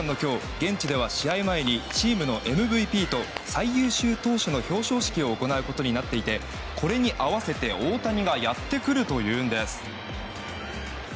現地では試合前にチームのＭＶＰと最優秀投手の表彰式を行うことになっていてこれに合わせて大谷がやってくるというのです。